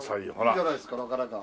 いいじゃないですかなかなか。